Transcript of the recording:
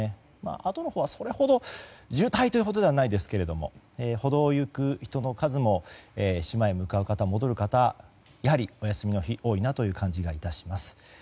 あとのほうは、それほど渋滞というほどではないですが歩道を行く人の数も島へ向かう方、戻る方やはりお休みの日多いなという感じがいたします。